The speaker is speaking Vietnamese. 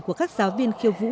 của các giáo viên khiêu vũ